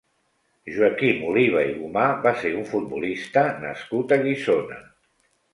Joaquim Oliva i Gomà va ser un futbolista nascut a Guissona.